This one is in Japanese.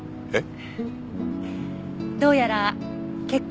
えっ？